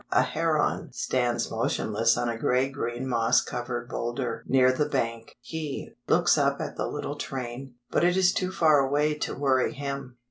A heron stands motionless on a grey green moss covered boulder near the bank. He looks up at the little train; but it is too far away to worry him.